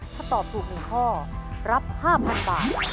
ถ้าตอบถูก๑ข้อรับ๕๐๐๐บาท